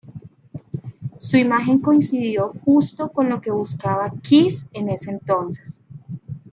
Su imagen coincidió justo con lo que buscaba Kiss en ese entonces.